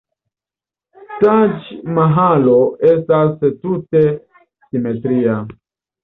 Taĝ-Mahalo estas tute simetria.